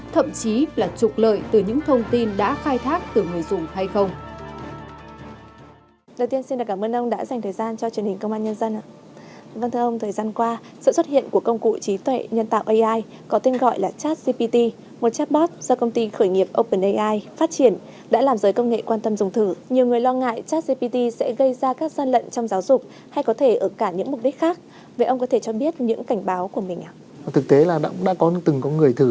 thậm chí là trục lợi từ những thông tin đã khai thác từ người dùng hay không